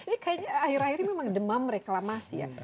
ini kayaknya akhir akhir ini memang demam reklamasi ya